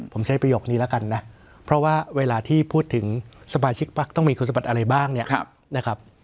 ผมใช้ประโยคนี้แล้วกันนะเพราะว่าเวลาที่พูดถึงสมาชิกพักต้องมีคุณสมบัติอะไรบ้างเนี่ยนะครับ